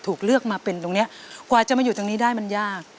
ถูกเลือกมาเป็นตรงนี้กว่าจะมาอยู่ตรงนี้ได้มันยาก